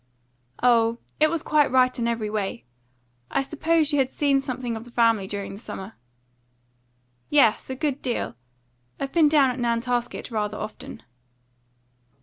"Oh, it was quite right in every way. I suppose you have seen something of the family during the summer." "Yes, a good deal. I've been down at Nantasket rather often."